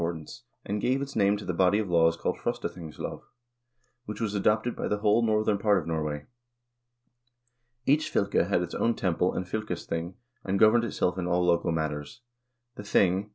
i — I 114 HISTORY OF THE NORWEGIAN PEOPLE tance, and gave its name to the body of laws called " Frostathingslov," which was adopted by the whole northern part of Norway. Each fylke had its own temple and fylkesthing, and governed itself in all local matters. The thing (O.